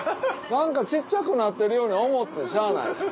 何か小っちゃくなってるように思ってしゃあない。